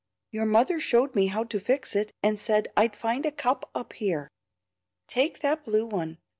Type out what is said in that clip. Your mother showed me how to fix it, and said I'd find a cup up here." "Take that blue one.